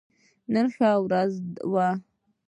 نن ښه ورځ وه